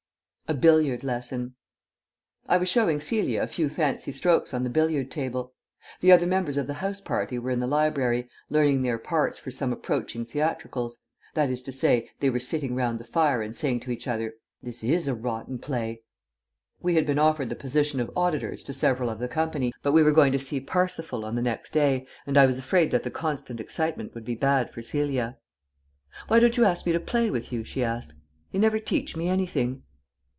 A BILLIARD LESSON I was showing Celia a few fancy strokes on the billiard table. The other members of the house party were in the library, learning their parts for some approaching theatricals that is to say, they were sitting round the fire and saying to each other, "This is a rotten play." We had been offered the position of auditors to several of the company, but we were going to see Parsifal on the next day, and I was afraid that the constant excitement would be bad for Celia. "Why don't you ask me to play with you?" she asked. "You never teach me anything."